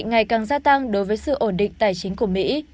ngày càng gia tăng đối với sự ổn định tài chính của mỹ